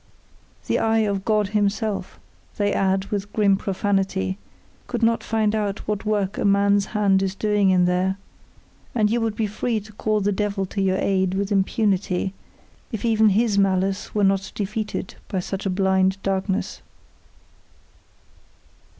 The eye of God Himself they add with grim profanity could not find out what work a man's hand is doing in there; and you would be free to call the devil to your aid with impunity if even his malice were not defeated by such a blind darkness.